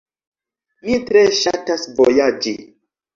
Mi ne tre ŝatas vojaĝi.